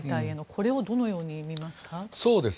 これをどのように見ますか？